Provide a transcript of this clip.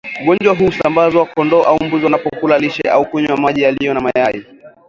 Ugonjwa huu husambazwa kondoo au mbuzi wanapokula lishe au kunywa maji yaliyo na mayai